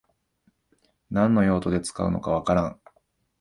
何の用途で使うのかわからん